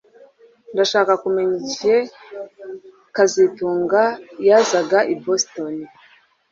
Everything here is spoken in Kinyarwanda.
Ndashaka kumenya igihe kazitunga yazaga i Boston